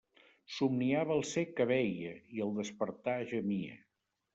Somniava el cec que veia, i al despertar gemia.